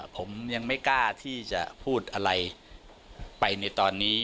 ผมยังไม่กล้าที่จะพูดอะไรไปในตอนนี้